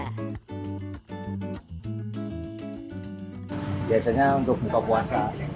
biasanya untuk buka puasa